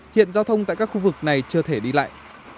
hiện giao thông tại các khu vực này chưa thể đi lại